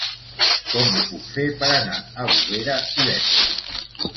Com ho puc fer per anar a Bovera divendres?